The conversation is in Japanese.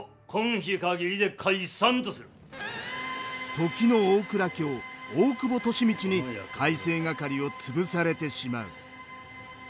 時の大蔵卿大久保利通に改正掛を潰されてしまう。